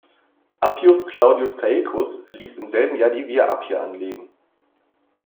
Appius Claudius Caecus ließ im selben Jahr die Via Appia anlegen.